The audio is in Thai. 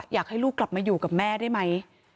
อยากให้ลูกกลับมาอยู่กับแม่ได้ไหม